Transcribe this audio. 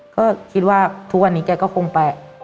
ก็คิดว่าทุกวันนี้แกก็คงไป